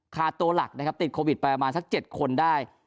คาตัวหลักนะครับติดโควิดไปประมาณสัก๗คนได้